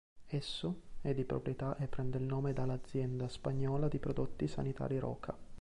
Esso è di proprietà e prende il nome dal'azienda spagnola di prodotti sanitari Roca.